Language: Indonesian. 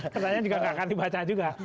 pertanyaan juga nggak akan dibaca juga